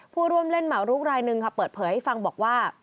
ผู้ร่วมเล่นเหมารุกรายหนึ่งค่ะเปิดเผยให้ฟังบอกว่า